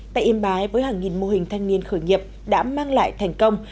tại yên bái với hàng nghìn mô hình thanh niên khởi nghiệp đã mang lại thành công